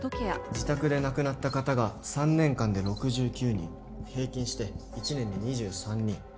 自宅で亡くなった方が３年間で６９人、平均して１年で２３人。